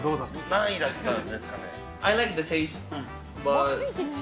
何位だったんですかね。